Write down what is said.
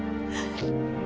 putri aku nolak